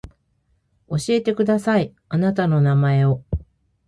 教えてくださいあなたの名前を